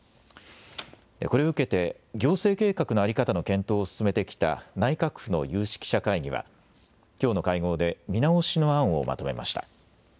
これを受けて行政計画の在り方の検討を進めてきた内閣府の有識者会議はきょうの会合で見直しの案をまとめました。